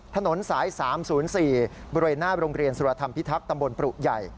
ถนนสาย๓๐๔บริเวณหน้าโรงเรียนสุรธรรมพิทักษ์ตำบลปรุใหญ่